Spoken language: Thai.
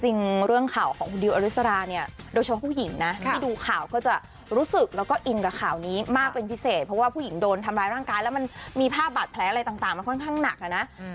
จริงเรื่องข่าวของคุณดิวอริสราเนี่ยโดยเฉพาะผู้หญิงนะที่ดูข่าวก็จะรู้สึกแล้วก็อินกับข่าวนี้มากเป็นพิเศษเพราะว่าผู้หญิงโดนทำร้ายร่างกายแล้วมันมีภาพบาดแผลอะไรต่างมันค่อนข้างหนักนะ